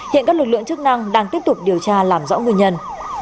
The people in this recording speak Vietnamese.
hiện các lực lượng chức năng đang tiếp tục điều tra làm rõ nguyên nhân